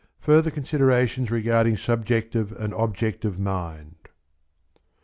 FURTHER CONSIDERATIONS REGARDING SUBJECTIVE AND OBJECTIVE MIND.